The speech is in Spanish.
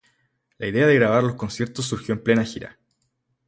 La idea de grabar los conciertos surgió en plena gira.